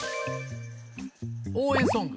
応援ソング。